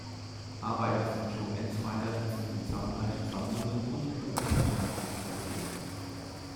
Arbeiten von Jo Enzweiler sind in zahlreichen Sammlungen und im Öffentlichen Raum vertreten.